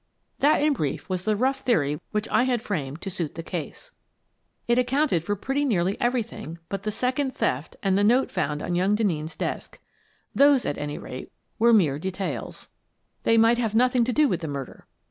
That, in brief, was the rough theory which I had framed to suit the case. It accounted for pretty 74 Miss Frances Baird, Detective nearly everything but the second theft and the note found on young Denneen's desk. Those, at any rate, were mere details. They might have nothing to do with the murder.